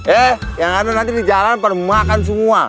eh yang ada nanti di jalan permakan semua